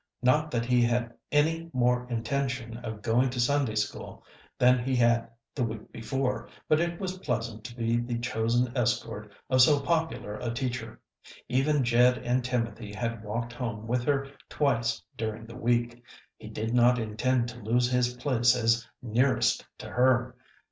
Not that he had any more intention of going to Sunday school than he had the week before, but it was pleasant to be the chosen escort of so popular a teacher. Even Jed and Timothy had walked home with her twice during the week. He did not intend to lose his place as nearest to her.